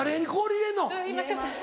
入れます。